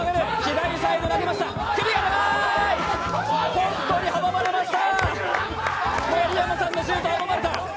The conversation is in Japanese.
ポストに阻まれました。